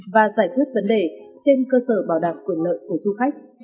và giải quyết vấn đề trên cơ sở bảo đảm quyền lợi của du khách